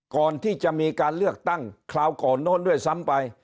ก่อนที่จะมีการเลือกตั้งคราวก่อนโน้นด้วยซ้ำไป